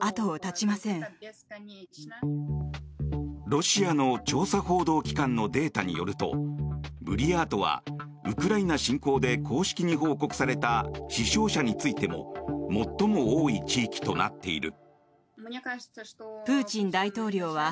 ロシアの調査報道機関のデータによるとブリヤートはウクライナ侵攻で公式に報告された死傷者についても最も多い地域となっている。